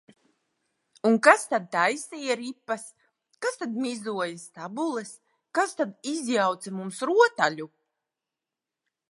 Un kas tad taisīja ripas, kas tad mizoja stabules, kas tad izjauca mums rotaļu?